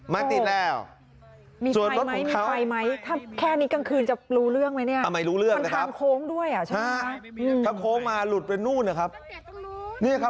มีภัยไหมถ้าแค่นี้ก้างคืนจะรู้เรื่องมั้ยเนี่ยมันทำโค้งด้วยอ้ะ